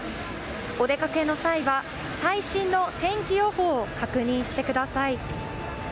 お出かけの際は最新の天気予報を確認してください。